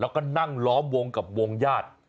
แล้วก็นั่งล้อมวงกับวงญาติ